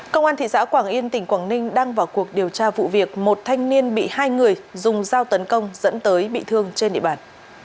công an thị xã quảng yên tỉnh quảng ninh đang vào cuộc điều tra vụ việc một thanh niên bị hai người dùng dao tấn công dẫn tới bị thương trên địa bàn